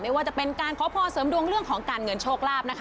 ว่าจะเป็นการขอพรเสริมดวงเรื่องของการเงินโชคลาภนะคะ